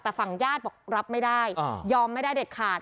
แต่ฝั่งญาติบอกรับไม่ได้ยอมไม่ได้เด็ดขาด